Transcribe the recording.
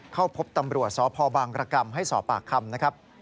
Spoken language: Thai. เข้าพบตำรวจสพบางรกรรมให้สอบปากคำนะครับ